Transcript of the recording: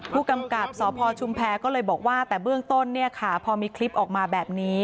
ผู้กำกับสพชุมแพรก็เลยบอกว่าแต่เบื้องต้นเนี่ยค่ะพอมีคลิปออกมาแบบนี้